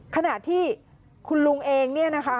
ขณะที่คุณลุงเอง